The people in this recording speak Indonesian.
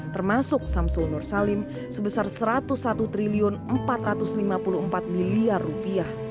termasuk samsul nur salim sebesar rp satu ratus satu empat ratus lima puluh empat